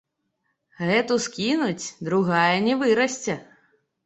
Гэту скінуць, другая не вырасце!